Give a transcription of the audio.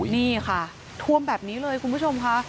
นี่ค่ะท่วมแบบนี้เลยคุณผู้ชมค่ะ